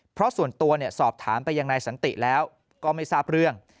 เพราะส่วนตัวสอบถามไปยังนายสันติแล้วก็ไม่ทราบเรื่อง